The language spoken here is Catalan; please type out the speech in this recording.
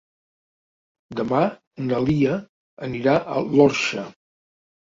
Demà na Lia anirà a l'Orxa.